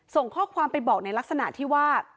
ส่งข้อความไปบอกในลักษณะที่ว่า